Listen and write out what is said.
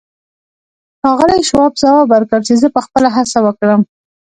ښاغلي شواب ځواب ورکړ چې زه به خپله هڅه وکړم.